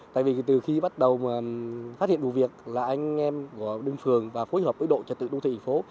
tại vì từ khi bắt đầu phát hiện vụ việc là anh em của đường phường và phối hợp với độ trật tự đô thị phố